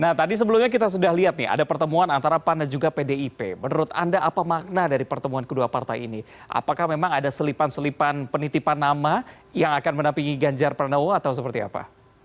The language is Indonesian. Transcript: nah tadi sebelumnya kita sudah lihat nih ada pertemuan antara pan dan juga pdip menurut anda apa makna dari pertemuan kedua partai ini apakah memang ada selipan selipan penitipan nama yang akan menampingi ganjar pranowo atau seperti apa